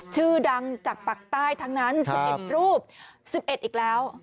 ชื่อดังจากปากใต้ทั้งนั้น๑๑รูป๑๑อีกแล้ว